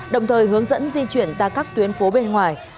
đồng thời hướng dẫn di chuyển ra các tuyến phố bên ngoài